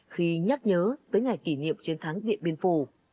khi nhắc nhớ tới ngày kỷ niệm chiến thắng điện biên phủ